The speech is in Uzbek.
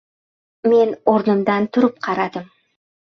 Men o‘rnimdan turib qaradim.